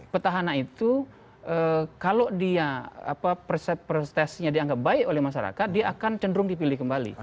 petahana itu kalau dia persesnya dianggap baik oleh masyarakat dia akan cenderung dipilih kembali